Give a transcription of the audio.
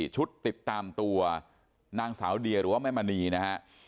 ชุดติดตามตัวนางสาวเดียหรือว่าแม่มณีนะฮะ